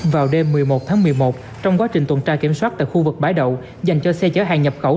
vào đêm một mươi một tháng một mươi một trong quá trình tuần tra kiểm soát tại khu vực bãi đậu dành cho xe chở hàng nhập khẩu